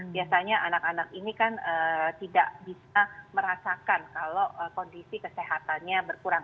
biasanya anak anak ini kan tidak bisa merasakan kalau kondisi kesehatannya berkurang